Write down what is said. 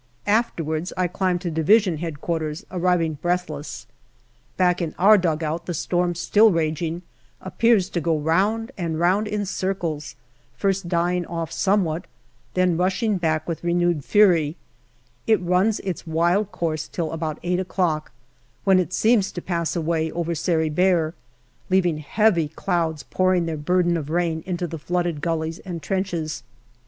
Afterwards I climb to D.H.Q., arriving breathless. Back in our dugout, the storm still raging, appearing to go round and round in circles, first dying off somewhat, then rushing back with renewed fury; it runs its wild course till about eight o'clock, when it seems to pass away over Sari Bair, leaving heavy clouds pouring their burden of rain into the flooded gullies and trenches.